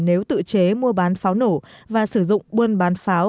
nếu tự chế mua bán pháo nổ và sử dụng buôn bán pháo